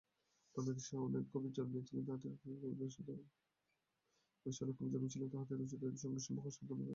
বাঙলাদেশে অনেক কবি জন্মিয়াছিলেন, তাঁহাদের রচিত সঙ্গীতসমূহ সাধারণ লোকের মধ্যে খুব প্রচলিত।